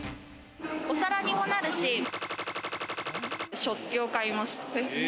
お皿にもなるし、食器を買いました。